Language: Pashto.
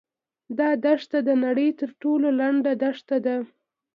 دا دښته د نړۍ تر ټولو لنډه دښته ده.